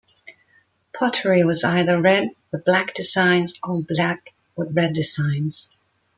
Pottery was either red with black designs or black with red designs.